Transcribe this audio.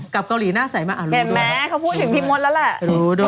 กลับเกาหลีน่าใสมากอ่ะรู้ด้วย